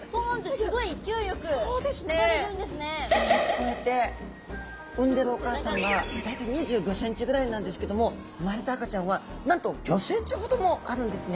こうやって産んでるお母さんが大体２５ｃｍぐらいなんですけども産まれた赤ちゃんはなんと５ｃｍほどもあるんですね。